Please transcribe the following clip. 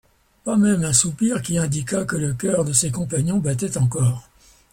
Pas même un soupir qui indiquât que le cœur de ses compagnons battait encore.